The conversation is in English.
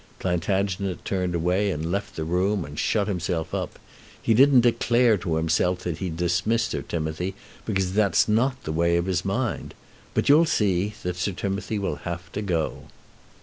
Plantagenet turned away and left the room and shut himself up. He didn't declare to himself that he'd dismiss Sir Timothy, because that's not the way of his mind. But you'll see that Sir Timothy will have to go."